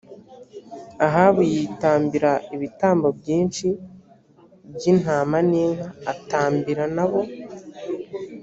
ahabu yitambira ibitambo byinshi by intama n inka atambira n abo